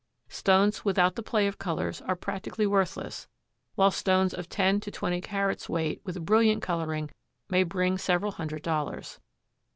Stones without the play of colors are practically worthless, while stones of ten to twenty carats' weight, with brilliant coloring, may bring several hundred dollars.